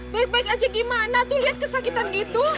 baik baik aja gimana tuh lihat kesakitan gitu